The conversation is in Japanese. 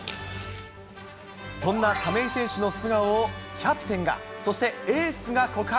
そんな亀井選手の素顔をキャプテンが、そしてエースが告白。